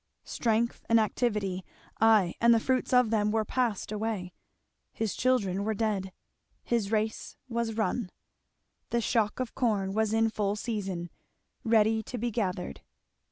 Strength and activity, ay, and the fruits of them, were passed away; his children were dead; his race was run; the shock of corn was in full season, ready to be gathered.